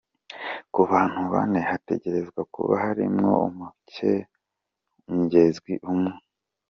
Ku bantu bane hategerezwa kuba harimwo umukenyezxi umwe.